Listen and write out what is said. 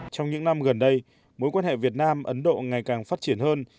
trong những năm gần đây mối quan hệ việt nam ấn độ ngày càng phát triển hơn